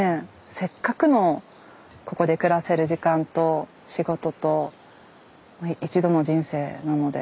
せっかくのここで暮らせる時間と仕事と一度の人生なので。